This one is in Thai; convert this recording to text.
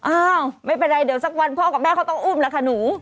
อ้าวไม่เป็นไรเดี๋ยวสักวันพ่อกับแม่เขาต้องอุ้มแล้วค่ะหนู